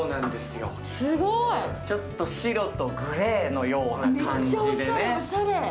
ちょっと白とグレーのような感じでね。